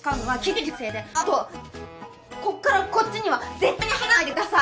あとこっからこっちには絶対に入らないでください！